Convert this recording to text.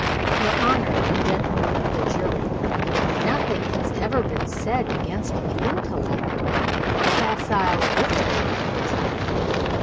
Your Honor and Gentlemen of the Jury, nothing has ever been said against the intellect or facile ability of the prisoner.